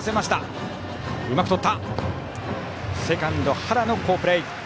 セカンド、原野好プレー！